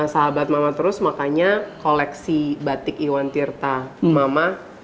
sahabat mama terus makanya koleksi batik iwan tirta mama